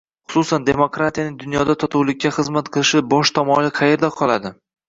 xususan, demokratiyaning dunyoda totuvlikka xizmat qilishi bosh tamoyili qayerda qoladi?